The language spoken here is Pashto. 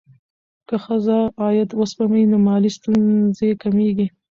که ښځه عاید وسپموي، نو مالي ستونزې کمېږي.